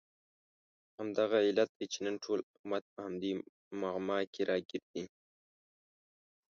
همدغه علت دی چې نن ټول امت په همدې معما کې راګیر دی.